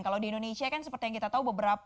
kalau di indonesia kan seperti yang kita tahu beberapa